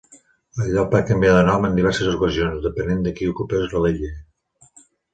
El lloc va canviar de nom en diverses ocasions, depenent de qui ocupés l'illa.